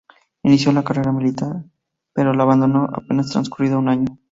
Inició la carrera militar, pero la abandonó apenas transcurrido un año.